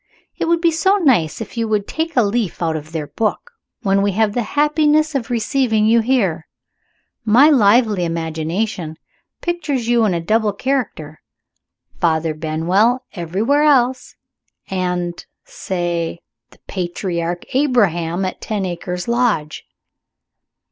It would be so nice if you would take a leaf out of their book, when we have the happiness of receiving you here. My lively imagination pictures you in a double character. Father Benwell everywhere else; and say, the patriarch Abraham at Ten Acres Lodge."